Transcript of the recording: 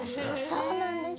そうなんです。